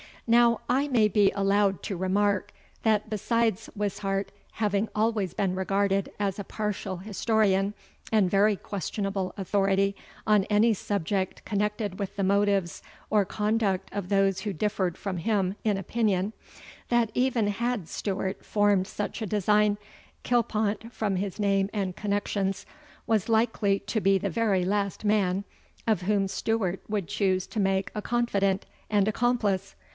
Now, I may be allowed to remark, that besides Wishart having always been regarded as a partial historian, and very questionable authority on any subject connected with the motives or conduct of those who differed from him in opinion, that even had Stewart formed such a design, Kilpont, from his name and connexions, was likely to be the very last man of whom Stewart would choose to make a confidant and accomplice.